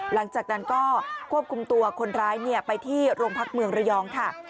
หลังจากนั้นก็ควบคุมตัวคนร้ายไปที่โรงพักเมืองระยองค่ะ